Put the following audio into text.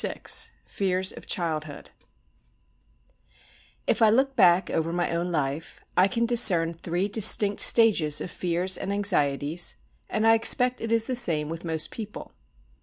VI FEARS OF CHILDHOOD If I look back over my own life, I can discern three distinct stages of fear and anxieties, and I expect it is the same with most people.